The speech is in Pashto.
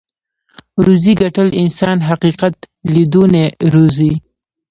روزي ګټل انسان حقيقت ليدونی روزي.